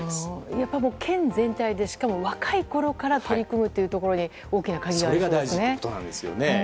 やっぱり、県全体でしかも若いころから取り組むというところにそれが大事ですね。